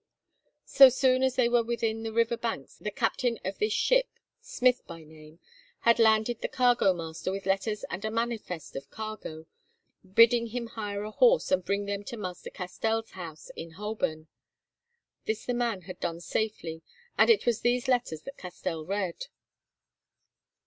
So soon as they were within the river banks the captain of this ship, Smith by name, had landed the cargo master with letters and a manifest of cargo, bidding him hire a horse and bring them to Master Castell's house in Holborn. This the man had done safely, and it was these letters that Castell read.